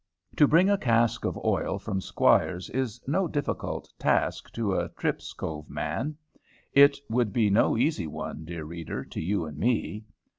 To bring a cask of oil from Squire's is no difficult task to a Tripp's Cove man. It would be no easy one, dear reader, to you and me.